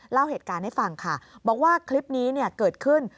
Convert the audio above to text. เล่าเหตุการณ์ให้ฟังค่ะบอกว่าคลิปนี้เกิดขึ้น